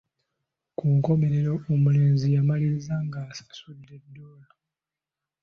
Ku nkomekerero omulenzi yamaliriza ng'asasudde ddoola.